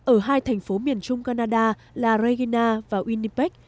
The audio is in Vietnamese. ở hai thành phố miền trung canada là regina và unipec